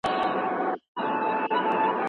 سل اویا اوښان مې بار لاچي لونګ کړل